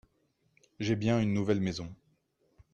j'ai bien une nouvelle maison.